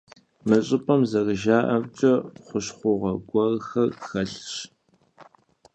Мы щӀыпӀэм, зэрыжаӀэмкӀэ, хущхъуэгъуэ гуэрхэр хэлъщ.